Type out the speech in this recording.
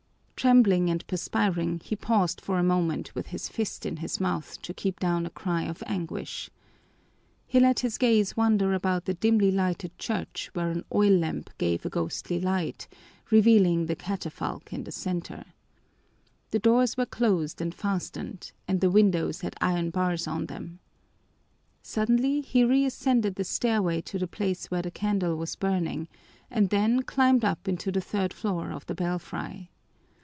Trembling and perspiring, he paused for a moment with his fist in his mouth to keep down a cry of anguish. He let his gaze wander about the dimly lighted church where an oil lamp gave a ghostly light, revealing the catafalque in the center. The doors were closed and fastened, and the windows had iron bars on them. Suddenly he reascended the stairway to the place where the candle was burning and then climbed up into the third floor of the belfry.